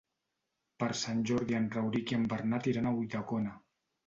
Per Sant Jordi en Rauric i en Bernat iran a Ulldecona.